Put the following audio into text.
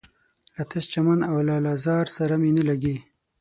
له تش چمن او لاله زار سره مي نه لګیږي